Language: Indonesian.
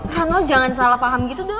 rano jangan salah paham gitu dong